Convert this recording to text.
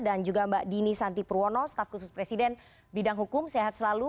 dan juga mbak dini santi purwono staf khusus presiden bidang hukum sehat selalu